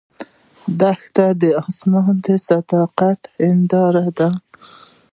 دښته د آسمان صادقه هنداره ده.